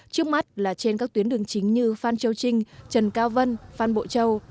trước mắt là trên các tuyến đường chính như phan châu trinh trần cao vân phan bộ châu